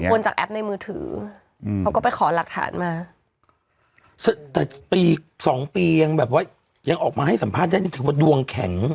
คนจากแอปในมือถืออืมเขาก็ไปขอหลักฐานมาแต่ปีสองปียังแบบว่ายังออกมาให้สัมภาษณ์ได้จริงถือว่าดวงแข็ง